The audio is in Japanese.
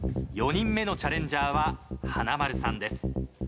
４人目のチャレンジャーは華丸さんです。